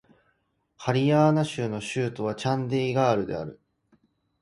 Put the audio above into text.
ハリヤーナー州の州都はチャンディーガルである